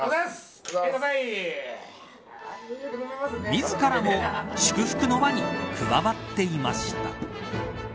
自らも祝福の輪に加わっていました。